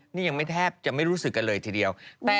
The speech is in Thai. นี่ยังไม่แทบจะไม่รู้สึกกันเลยทีเดียว